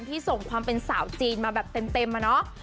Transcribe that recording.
ส่งความเป็นสาวจีนมาแบบเต็มอะเนาะ